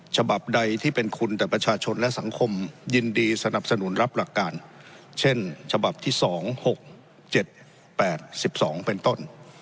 ฉบับใดที่เป็นคุณแต่ประชาชนและสังคมยินดีสนับสนุนรับหลักการเช่นฉบับที่๒๖๗๘๑๒เป็นต้น